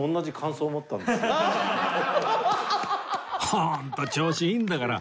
ホント調子いいんだから